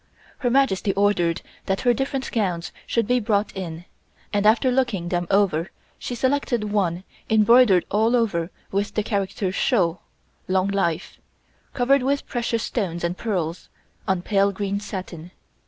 Her Majesty ordered that her different gowns should be brought in, and after looking them over she selected one embroidered all over with the character "Shou" (long life), covered with precious stones and pearls, on pale green satin.